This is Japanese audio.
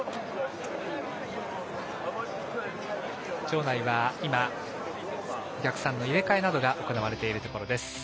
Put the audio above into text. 場内は今お客さんの入れ替えなどが行われています。